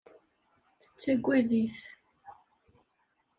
Tettagad-it.